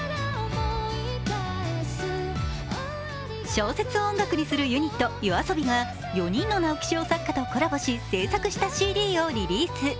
小説を音楽にするユニットＹＯＡＳＯＢＩが４人の直木賞作家とコラボし制作したＣＤをリリース。